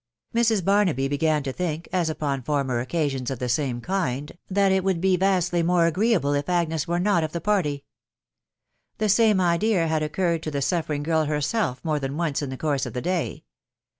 Mrs. Barnaby began to think, as upon former occasions of the same kind, that it: would be vastly more agreeable if Agnes vrexe not of the uartg.: m.m i 111.1 L ■■—" TBK WIDOW BARNABY 85& The same idea had occurred to the Buffering girl herself more than once in the course of the day.